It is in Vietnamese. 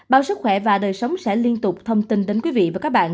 báo sức khỏe và đời sống sẽ liên tục thông tin đến quý vị và các bạn